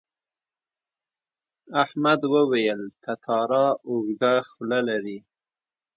احمد وویل تتارا اوږده خوله لري.